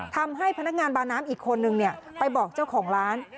ทำให้พนักงานบาน้ำอีกคนนึงไปบอกเจ้าของร้าน